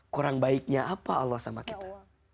kurang baiknya apa allah sama kita